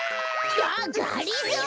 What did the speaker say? あっがりぞー！